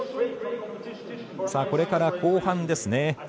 これから後半ですね。